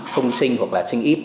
không sinh hoặc là sinh ít